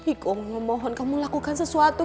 iko mau mohon kamu lakukan sesuatu